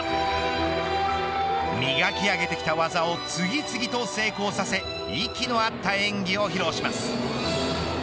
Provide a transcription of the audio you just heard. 磨き上げできた技を次々と成功させ息の合った演技を披露します。